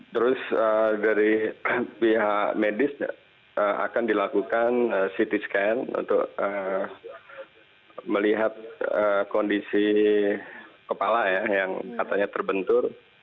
terus dari pihak medis akan dilakukan ct scan untuk melihat kondisi kepala ya yang katanya terbentur